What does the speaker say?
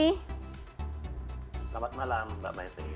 selamat malam mbak maitri